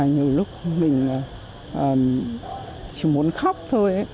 nhiều lúc mình chỉ muốn khóc thôi